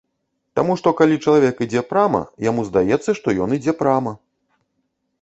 Таму што калі чалавек ідзе прама, яму здаецца, што ён ідзе прама.